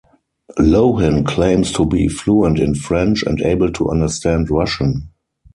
Lohan claims to be fluent in French and able to understand Russian.